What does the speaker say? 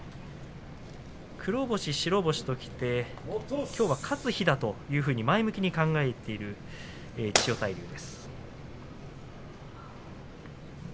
黒星、白星ときてきょうは勝つ日だというふうに前向きに考えている千代大龍です。